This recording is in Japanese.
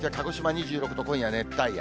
２６度、今夜、熱帯夜。